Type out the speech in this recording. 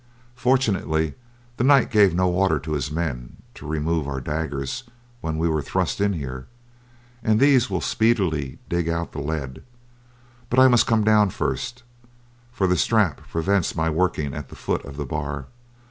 Fortunately the knight gave no orders to his men to remove our daggers when we were thrust in here, and these will speedily dig out the lead; but I must come down first, for the strap prevents my working at the foot of the bar.